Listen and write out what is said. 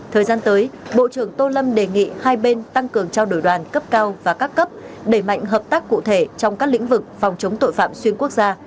thời gian tới bộ trưởng tô lâm đề nghị hai bên tăng cường trao đổi đoàn cấp cao và các cấp đẩy mạnh hợp tác cụ thể trong các lĩnh vực phòng chống tội phạm xuyên quốc gia